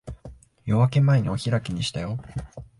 夜明け前にお開きにしたよ。